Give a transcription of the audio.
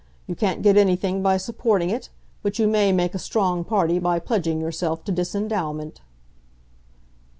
You can't get anything by supporting it, but you may make a strong party by pledging yourself to disendowment."